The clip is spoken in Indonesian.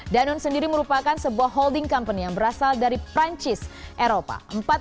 danone sendiri merupakan sebuah holding company yang berasal dari perancis eropa